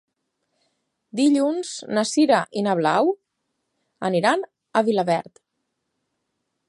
Dilluns na Sira i na Blau aniran a Vilaverd.